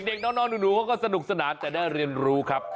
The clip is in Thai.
เด็กนอนหนูก็สนุกสนานแต่ได้เรียนรู้ครับ